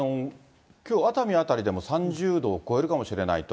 きょう熱海辺りでも、３０度を超えるかもしれないと。